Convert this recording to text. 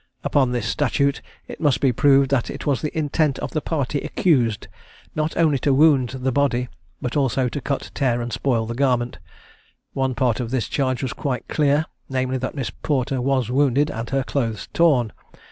Upon this statute it must be proved that it was the intent of the party accused, not only to wound the body, but also cut, tear, and spoil the garment: one part of this charge was quite clear, namely, that Miss Porter was wounded, and her clothes torn.